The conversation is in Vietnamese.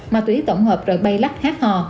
ma túy tổng hợp rồi bay lắc hát hò